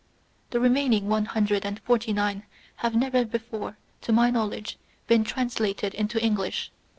The remain ing one hundred and forty nine have never before, to my knowledge, been translated into English.